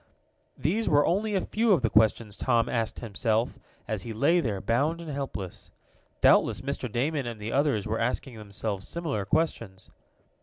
These were only a few of the questions Tom asked himself, as he lay there, bound and helpless. Doubtless Mr. Damon and the others were asking themselves similar questions.